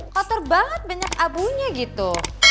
kotor banget banyak abunya gitu